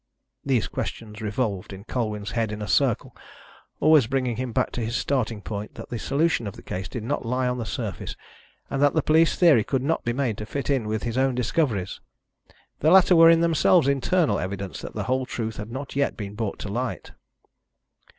These questions revolved in Colwyn's head in a circle, always bringing him back to his starting point that the solution of the case did not lie on the surface, and that the police theory could not be made to fit in with his own discoveries. The latter were in themselves internal evidence that the whole truth had not yet been brought to light.